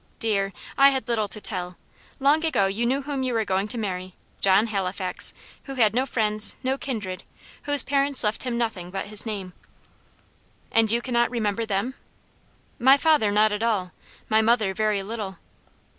"Dear, I had little to tell. Long ago you knew whom you were going to marry John Halifax, who had no friends, no kindred, whose parents left him nothing but his name." "And you cannot remember them?" "My father not at all; my mother very little."